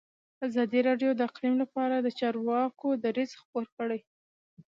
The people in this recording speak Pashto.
ازادي راډیو د اقلیم لپاره د چارواکو دریځ خپور کړی.